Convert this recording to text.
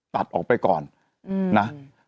ตัดออกไปก่อนนะ